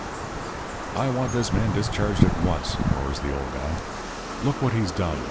"'I want this man discharged at once,' roars the old guy. 'Look what he's done.